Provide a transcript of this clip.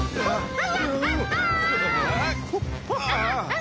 あ。